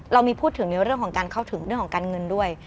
เรามีพูดถึงในเรื่องของการเข้าถึงเรื่องของการเงินด้วย